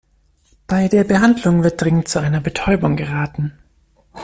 Bei der Behandlung wird dringend zu einer Betäubung geraten.